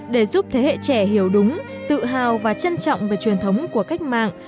để giúp thế hệ trẻ hiểu đúng tự hào và trân trọng về truyền thống của cách mạng